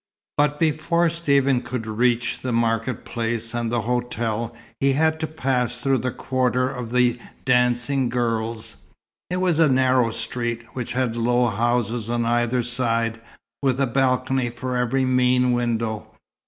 But before Stephen could reach the market place and the hotel, he had to pass through the quarter of the dancing girls. It was a narrow street, which had low houses on either side, with a balcony for every mean window.